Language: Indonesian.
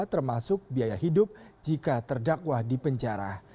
termasuk biaya hidup jika terdakwa di penjara